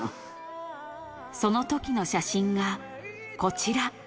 そのときの写真がこちら。